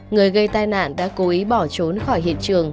người gây tai nạn đã cố ý bỏ trốn khỏi hiện trường